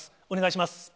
お願いします。